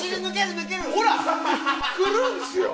ほら、来るんですよ！